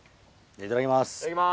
いただきます。